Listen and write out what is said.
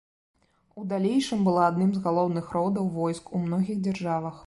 У далейшым была адным з галоўных родаў войск у многіх дзяржавах.